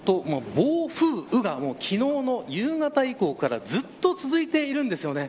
暴風雨が昨日の夕方以降からずっと続いているんです。